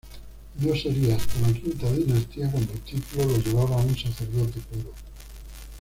No sería hasta la V Dinastía cuando el título lo llevaba un sacerdote puro.